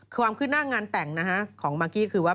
ความคืบหน้างานแต่งนะฮะของมากกี้คือว่า